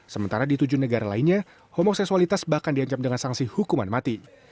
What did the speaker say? sementara di tujuh negara lainnya homox sesualitas bahkan diancam dengan sanksi hukuman mati